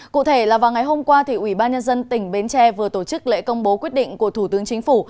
cụ thể là vào ngày hôm qua ủy ban nhân dân tỉnh bến tre vừa tổ chức lễ công bố quyết định của thủ tướng chính phủ